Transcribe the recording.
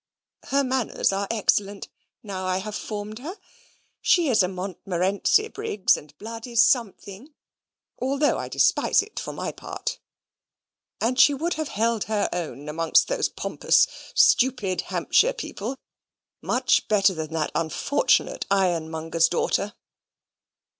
Her manners are excellent, now I have formed her. She is a Montmorency, Briggs, and blood is something, though I despise it for my part; and she would have held her own amongst those pompous stupid Hampshire people much better than that unfortunate ironmonger's daughter."